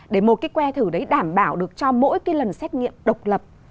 để một cái que thử đấy đảm bảo được cho mỗi cái lần xét nghiệm độc lập